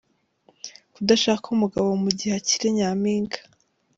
Kudashaka umugabo mu gihe akiri Nyampinga.